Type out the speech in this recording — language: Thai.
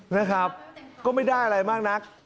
นะครับก็ไม่ได้อะไรมากนัก